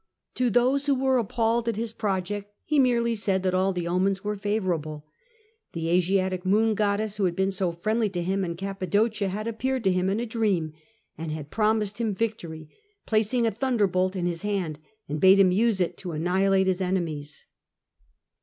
To those who were appalled at his project, he merely said that all the omens were favour able. The Asiatic Moon Goddess, who had been so friendly to him in Cappadocia, had appeared to him in a dream, had promised him victory, placed a thunderbolt in his hand, and bade him use it to annihilate his enemies.